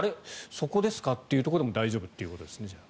そこですか？というところでも大丈夫ということですね。